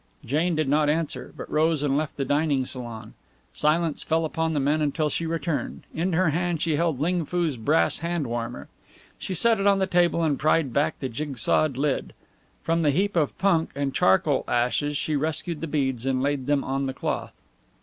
Jane did not answer, but rose and left the dining salon. Silence fell upon the men until she returned. In her hand she held Ling Foo's brass hand warmer. She set it on the table and pried back the jigsawed lid. From the heap of punk and charcoal ashes she rescued the beads and laid them on the cloth.